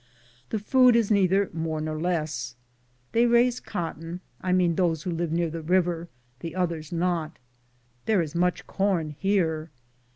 The food is neither more nor less. They raise cotton — I mean those who live near the river — the others not. There is much corn here.